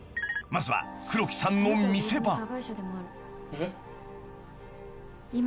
［まずは黒木さんの見せ場］